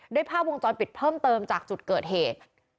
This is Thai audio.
ด้วยผ้าวงจรเปิดเพิ่มเติมจากจุดเกิดเหตุ